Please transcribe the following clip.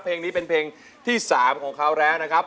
เพลงนี้เป็นเพลงที่๓ของเขาแล้วนะครับ